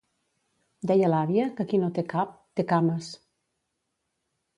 Deia l'àvia que qui no té cap, té cames.